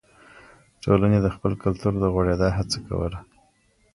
ټولني د خپل کلتور د غوړېدا هڅه کوله.